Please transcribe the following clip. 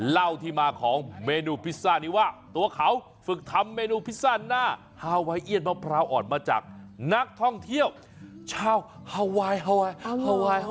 เล่าที่มาของเมนูพิซซ่านี้ว่าตัวเขาฝึกทำเมนูพิซซ่าหน้าฮาไวเอียดมะพร้าวอ่อนมาจากนักท่องเที่ยวชาวฮาไวน์ฮาไวน์ฮาไวน์